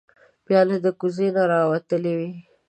پیاله د کوزې نه راوتلې وي.